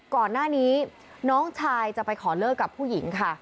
ก่อนหน้านี้น้องชายจะไปขอเลิกกับผู้หญิงค่ะ